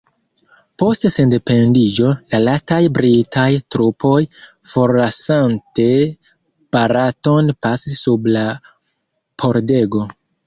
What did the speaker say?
Post sendependiĝo, la lastaj britaj trupoj forlasante Baraton pasis sub la pordego.